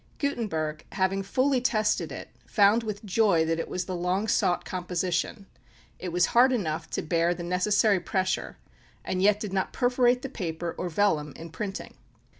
Gutenberg, having fully tested it, found with joy that it was the long sought composition. It was hard enough to bear the necessary pressure, and yet did not perforate the paper or vellum in printing.